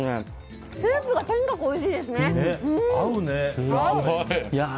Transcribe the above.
スープがとにかくおいしいですね。